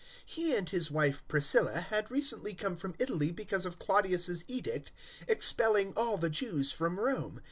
He and his wife Priscilla had recently come from Italy because of Claudius's edict expelling all the Jews from Rome.